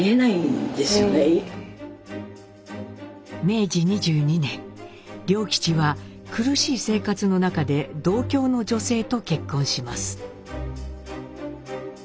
明治２２年良吉は苦しい生活の中で同郷の女性と結婚します。